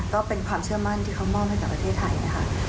ก็เป็นความเชื่อมั่นที่เขามอบให้กับประเทศไทยนะคะ